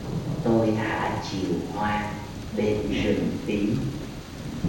Tôi thả chiều hoang bên rừng tím